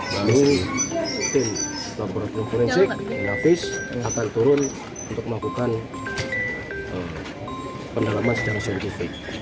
dan tim laboratorium forensik nafis akan turun untuk melakukan pendalaman secara sertifik